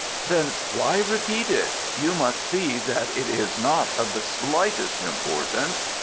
'Then why repeat it? You must see that it is not of the slightest importance.